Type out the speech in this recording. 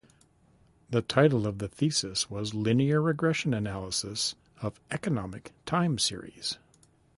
The title of the thesis was "Linear regression analysis of economic time series".